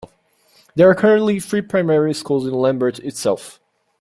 There are currently three primary schools in Larbert itself.